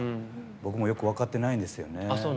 僕もよく分かってないんですよね。